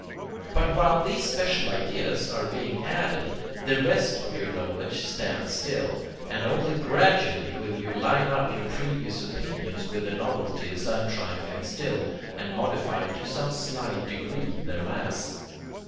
But while these special ideas are being added, the rest of your knowledge stands still, and only gradually will you 'line up' your previous opinions with the novelties I am trying to instil, and modify to some slight degree their mass.